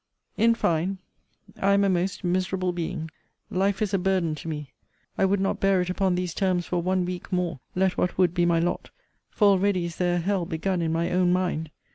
In fine, I am a most miserable being. Life is a burden to me. I would not bear it upon these terms for one week more, let what would be my lot; for already is there a hell begun in my own mind.